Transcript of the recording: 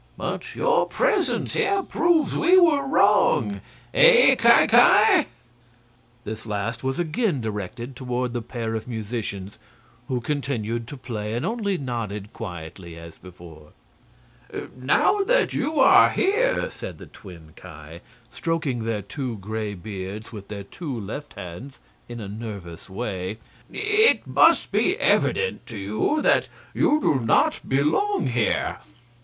"But your presence here proves we were wrong. Eh! Ki Ki?" This last was again directed toward the pair of musicians, who continued to play and only nodded quietly, as before. "Now that you are here," said the twin Ki, stroking their two gray beards with their two left hands in a nervous way, "it must be evident to you that you do not belong here.